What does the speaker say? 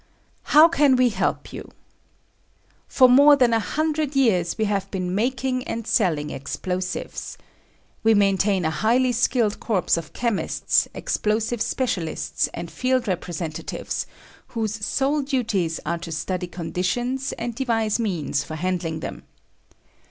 How Can We Help You? For more than a hundred years we have been making and selling explosives. We maintain a highly skilled corps of chemists, explosive specialists, and field representatives, whose sole duties are to study conditions and devise means for handling them.